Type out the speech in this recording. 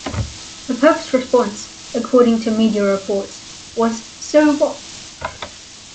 The pope's response, according to media reports, was so what?